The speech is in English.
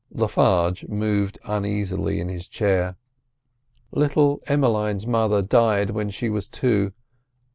Le Farge moved uneasily in his chair. "Little Emmeline's mother died when she was two.